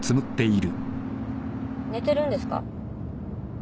寝てるんですか？